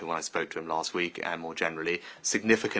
dan israel memang memiliki hak untuk mengekalkan dirinya